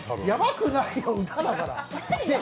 やばくないよ、歌だから。